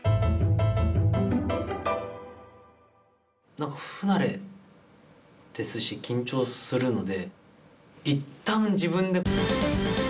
何か不慣れですし緊張するのでいったん自分で。